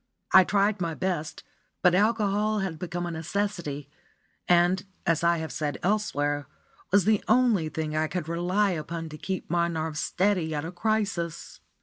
I tried my best, but alcohol had become a necessity, and, as I have said elsewhere, was the only thing I could rely upon to keep my nerves steady at a crisis.